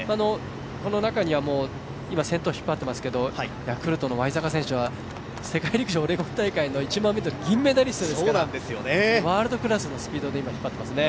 この中には今先頭を引っ張っていますけど、ヤクルトのワイザカ選手は世界陸上オレゴン大会の１００００ｍの銀メダリストですから、ワールドクラスのスピードで今、引っ張っていますね。